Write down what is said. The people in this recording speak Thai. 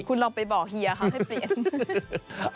คุณลองไปบอกเฮียเขาให้เปลี่ยน